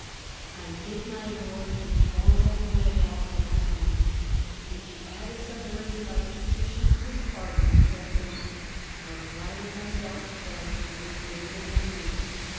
* I bid my lord a formal fare well for that m'ght,' and she added some words about the petition for his pardon, and told him, * I flattered myself that I should bring favourable news.'